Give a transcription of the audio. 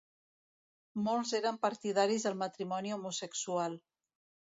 Molts eren partidaris del matrimoni homosexual.